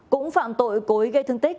cũng phạm tội cố ý gây thương tích